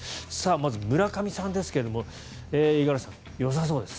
まず、村上さんですが五十嵐さん、よさそうです。